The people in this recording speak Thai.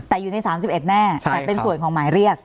แต่อยู่ใน๓๑แน่แต่เป็นส่วนของหมายเรียก